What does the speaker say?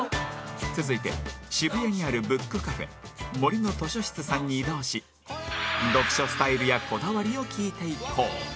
続いて渋谷にあるブックカフェ森の図書室さんに移動し読書スタイルやこだわりを聞いていこう